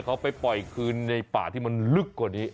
เขาไปปล่อยคืนในป่าที่มันลึกกว่านี้